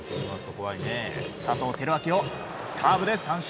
佐藤輝明をカーブで三振。